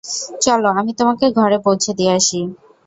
চলো, আমি তোমাকে ঘরে পৌছে দিয়ে আসি।